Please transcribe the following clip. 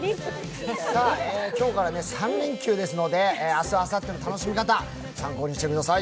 今日から３連休ですので、明日あさっての楽しみ方、参考にしてください。